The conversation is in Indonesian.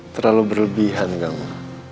terlalu berlebihan kamu